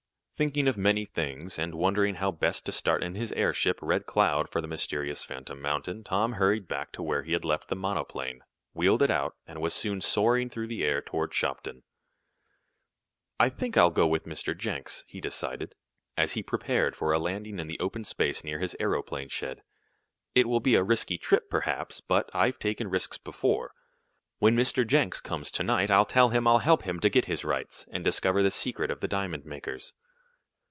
Thinking of many things, and wondering how best to start in his airship Red Cloud for the mysterious Phantom Mountain, Tom hurried back to where he had left the monoplane, wheeled it out, and was soon soaring through the air toward Shopton. "I think I'll go with Mr. Jenks," he decided, as he prepared for a landing in the open space near his aeroplane shed. "It will be a risky trip, perhaps, but I've taken risks before. When Mr. Jenks comes to night I'll tell him I'll help him to get his rights, and discover the secret of the diamond makers."